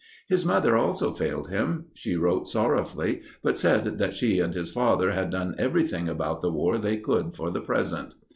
His mother also failed him. She wrote sorrowfully, but said that she and his father had done everything about the War they could for the present.